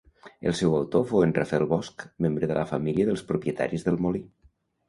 El seu autor fou en Rafael Bosch membre de la família dels propietaris del molí.